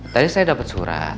tadi saya dapat surat